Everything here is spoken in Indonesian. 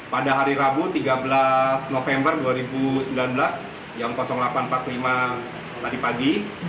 pada hari rabu tiga belas november dua ribu sembilan belas jam delapan empat puluh lima tadi pagi